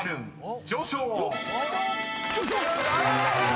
上昇！